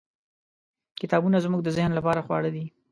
. کتابونه زموږ د ذهن لپاره خواړه دي.